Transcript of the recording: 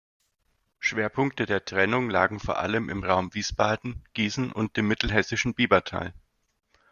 Schwerpunkte der Trennung lagen vor allem im Raum Wiesbaden, Gießen und dem mittelhessischen Biebertal.